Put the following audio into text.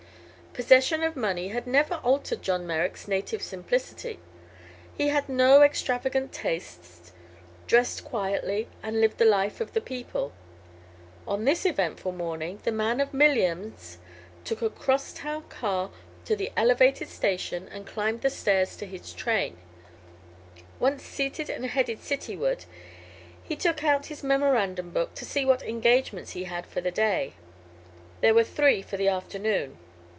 Possession of money had never altered John Merrick's native simplicity. He had no extravagant tastes, dressed quietly and lived the life of the people. On this eventful morning the man of millions took a cross town car to the elevated station and climbed the stairs to his train. Once seated and headed cityward he took out his memorandum book to see what engagements he had for the day. There were three for the afternoon.